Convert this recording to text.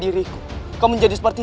ini gajah kita sudah